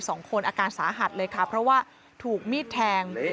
สองคนอาการสาหัสเลยค่ะเพราะว่าถูกมีดแทง